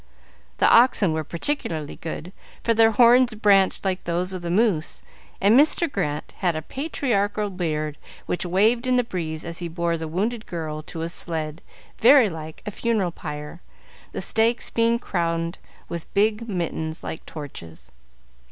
The oxen were particularly good, for their horns branched like those of the moose, and Mr. Grant had a patriarchal beard which waved in the breeze as he bore the wounded girl to a sled very like a funeral pyre, the stakes being crowned with big mittens like torches.